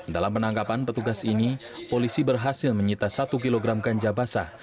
dalam penangkapan petugas ini polisi berhasil menyita satu kg ganja basah